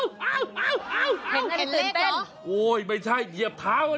เห็นเรื่องนี้ตื่นเต้นเหรอโอ้ไม่ใช่เหยียบเท้าอะดิ